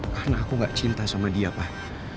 karena aku gak cinta sama dia pak